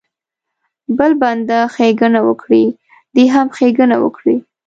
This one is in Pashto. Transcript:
بل بنده ښېګڼه وکړي دی هم ښېګڼه وکړي.